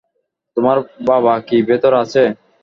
তোমার বাবা কি ভেতরে আছে?